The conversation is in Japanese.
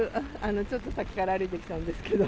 ちょっと先から歩いてきたんですけど。